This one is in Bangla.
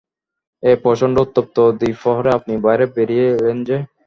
এই প্রচণ্ড উত্তপ্ত দ্বিপ্রহরে আপনি বাইরে বেরিয়ে এলেন যে?